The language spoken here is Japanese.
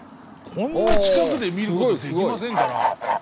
こんな近くで見ることできませんから。